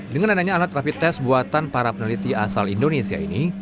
dengan adanya alat rapid test buatan para peneliti asal indonesia ini